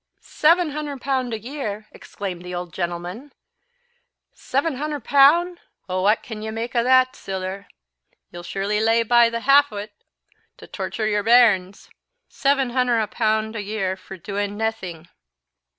"Seven hunder pound a year!" exclaimed the old gentleman; "Seven hunder pound! O' what can ye mak' o' a' that siller? Ye'll surely lay by the half o't to tocher your bairns. Seven hunder pound a year for doing naething!"